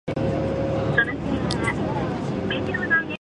体は必死に支えている。